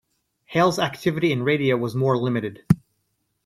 Hale's activity in radio was more limited.